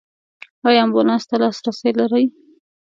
ایا امبولانس ته لاسرسی لرئ؟